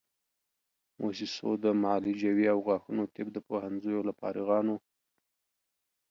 موسسو د معالجوي او غاښونو طب د پوهنځیو له فارغانو